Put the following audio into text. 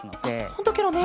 ほんとケロね。